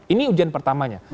ini ujian pertamanya